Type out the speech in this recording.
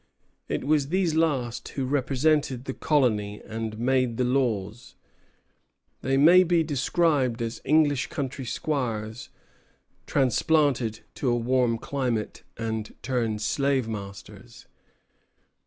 It was these last who represented the colony and made the laws. They may be described as English country squires transplanted to a warm climate and turned slave masters.